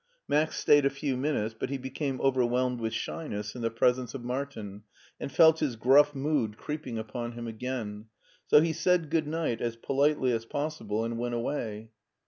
Max stayed a few minutes, but he became over whelmed with shyness in the presence of Martin and felt his gruff mood creeping upon him again, so he said good night as politely as possible, and went away.